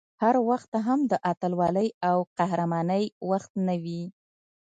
هر وخت هم د اتلولۍ او قهرمانۍ وخت نه وي